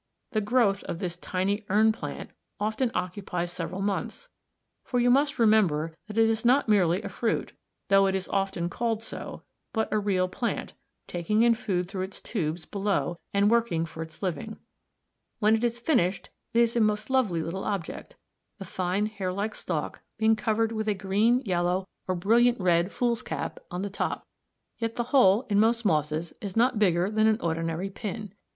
The growth of this tiny urn plant often occupies several months, for you must remember that it is not merely a fruit, though it is often called so, but a real plant, taking in food through its tubes below and working for its living. When it is finished it is a most lovely little object (us, Fig. 34), the fine hairlike stalk being covered with a green, yellow, or brilliant red fool's cap on the top, yet the whole in most mosses is not bigger than an ordinary pin.